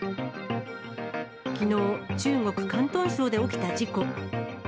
きのう、中国・広東省で起きた事故。